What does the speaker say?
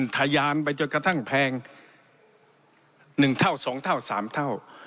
ทะยานไปจนกระทั่งแพง๑เท่า๒เท่า๓เท่า